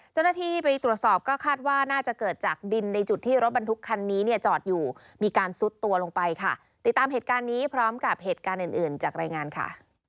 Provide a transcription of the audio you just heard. เจ้าหน้าที่ไปตรวจสอบก็คาดว่าน่าจะเกิดจากดินในจุดที่รถบรรทุกคันนี้เนี่ยจอดอยู่มีการซุดตัวลงไปค่ะติดตามเหตุการณ์นี้พร้อมกับเหตุการณ์อื่นอื่นจากรายงานค่ะ